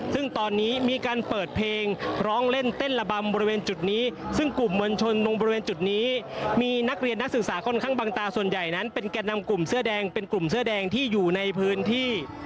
ซึ่งตอนนี้มีการเปิดเพลงร้องเล่นเต้นระบำบริเวณจุดนี้ซึ่งกลุ่มมวลชนตรงบริเวณจุดนี้มีนักเรียนนักศึกษาค่อนข้างบางตาส่วนใหญ่นั้นเป็นแก่นำกลุ่มเสื้อแดงเป็นกลุ่มเสื้อแดงที่อยู่ในพื้นที่